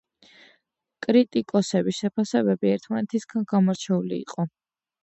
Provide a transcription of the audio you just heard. კრიტიკოსების შეფასებები ერთმანეთისგან გამორჩეული იყო.